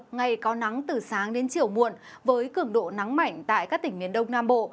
ngày có nắng từ sáng đến chiều muộn với cường độ nắng mảnh tại các tỉnh miền đông nam bộ